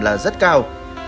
là rất cao